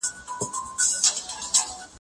د دولت عایدات د مالیاتو له لارې راټولېږي.